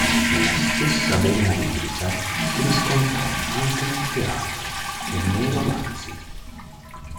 La stessa vena lirica si riscontrò anche nel teatro e nei romanzi.